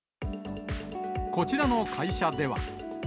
こちらの会社では。